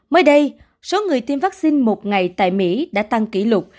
mới đây số người tiêm vaccine một ngày tại mỹ đã tăng kỷ lục